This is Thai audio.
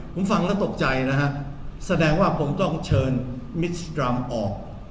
ผมฟังแล้วตกใจนะฮะแสดงว่าผมต้องเชิญมิชกรรมออก